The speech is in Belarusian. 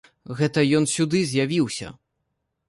Гэта ён сюды з'явіўся!